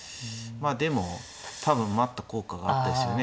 まあでも多分待った効果があったですよね。